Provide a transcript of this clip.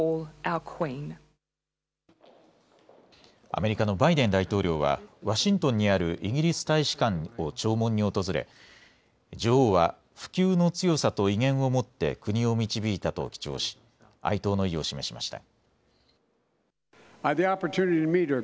アメリカのバイデン大統領はワシントンにあるイギリス大使館を弔問に訪れ、女王は不朽の強さと威厳を持って国を導いたと記帳し哀悼の意を示しました。